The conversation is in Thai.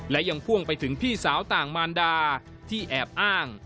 และยังพ่วงไปถึงพี่สาวต่างมารดาที่แอบอ้าง